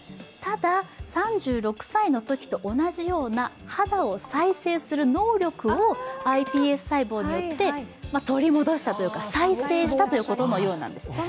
ただ、３６歳のときと同じような肌を再生する能力をｉＰＳ細胞によって取り戻したというか再生したということのようです。